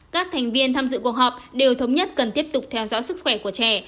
các thành viên tham dự cuộc họp đều thống nhất cần tiếp tục theo dõi sức khỏe của trẻ